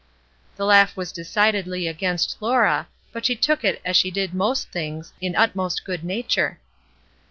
The laugh was decidedly against Laura, but she took it as she did most things — in ut most good nature.